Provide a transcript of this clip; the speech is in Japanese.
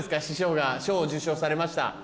師匠が賞を受賞されました。